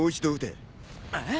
えっ？